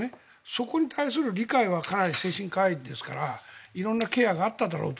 そこに対する理解はかなり精神科医ですから色んなケアがあっただろうと。